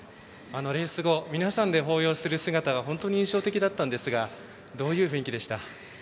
レース後皆さんで抱擁する姿が本当に印象的だったんですがどういう雰囲気でしたか。